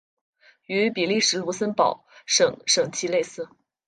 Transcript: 与比利时卢森堡省省旗类似。